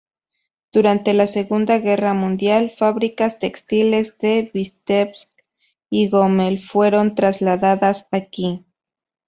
Durante la Segunda Guerra Mundial, fábricas textiles de Vítebsk y Gómel fueron trasladadas aquí.